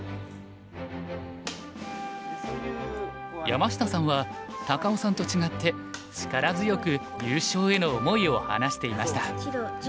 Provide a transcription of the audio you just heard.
山下さんは高尾さんと違って力強く優勝への思いを話していました。